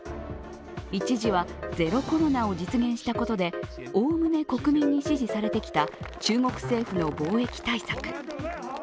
一時はゼロコロナを実現したことでおおむね国民に支持されてきた中国政府の防疫対策。